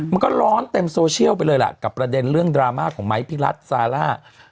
มันก็ร้อนเต็มโซเชียลไปเลยล่ะกับประเด็นเรื่องดราม่าของไม้พี่รัฐซาร่า